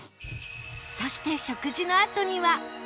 そして食事のあとには